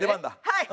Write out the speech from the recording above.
はい。